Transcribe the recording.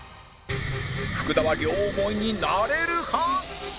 福田は両思いになれるか？